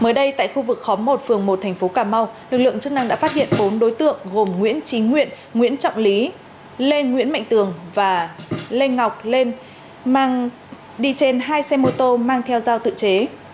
mới đây tại khu vực khóm một phường một thành phố cà mau lực lượng chức năng đã phát hiện bốn đối tượng gồm nguyễn trí nguyện nguyễn trọng lý lê nguyễn mạnh tường và lê ngọc lên đi trên hai xe mô tô mang theo dao tự chế